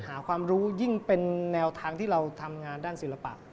หาความรู้ยิ่งเป็นแนวทางที่เราทำงานด้านศิลปะ